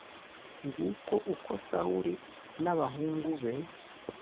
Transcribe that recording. Nguko uko Sawuli n abahungu be